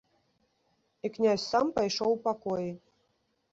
І князь сам пайшоў у пакоі.